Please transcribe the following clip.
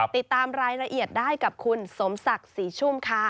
ติดตามรายละเอียดได้กับคุณสมศักดิ์ศรีชุ่มค่ะ